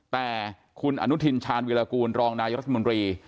แต่คุณอนุทินชาญวิรากูลรองนายรัฐมนตรี